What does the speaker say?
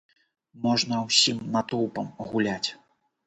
Можна ўсім натоўпам гуляць!